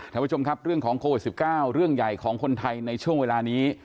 ท่านผู้ชมครับเรื่องของโควิด๑๙เรื่องใหญ่ของคนไทยในช่วงเวลานี้